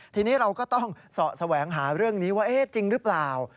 ทีนี้เราก็ต้องเสาะแสวงหาเรื่องนี้ว่าจริงหรือเปล่า